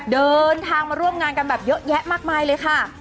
เดินทางมาร่วมงานกันแบบเยอะแยะมากมายเลยค่ะ